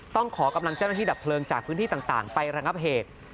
ต้องขอกำลังเจ้าหน้าที่ดับเพลิงจากพื้นที่ต่างไประงับเหตุ